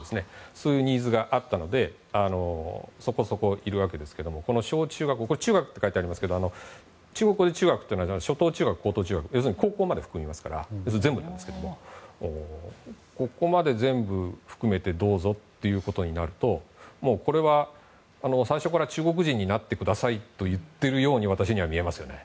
そういうニーズがあったのでそこそこいるわけですけども中学って書いてありますけど初等中学、高等中学要するに高校まで含むので全部なんですけどここまで全部含めてどうぞってことになるとこれは最初から中国人になってくださいと言ってるように私には見えますよね。